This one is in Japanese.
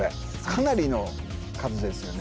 かなりの数ですよね。